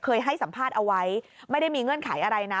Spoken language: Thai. ให้สัมภาษณ์เอาไว้ไม่ได้มีเงื่อนไขอะไรนะ